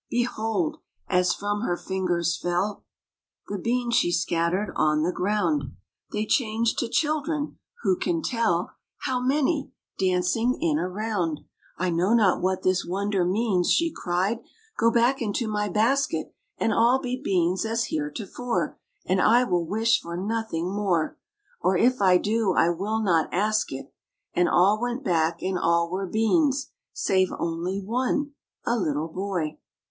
Behold ! as from her fingers fell The beans she scattered on the ground. They changed to children — who can tell How many ! dancing in a round. know not what this wonder means!" She cried. Go back into my basket And all be beans as heretofore. And I will wish for nothing more ; Or if I do, I will not ask it !" And all went back, and all were beans, Save only one, a little boy.